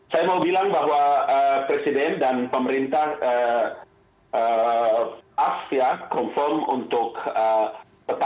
saya mau bilang bahwa presiden dan pemerintah asia confirm untuk tetap melihat keputusan undang undang kita kerja ini adalah untuk kepentingan masa depan generasi baru indonesia